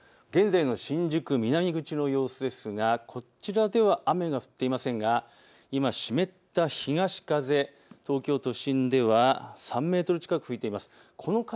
現在の新宿南口の様子ですがこちらでは雨が降っていませんが今、湿った東風、東京都心では３メートル近く吹いています。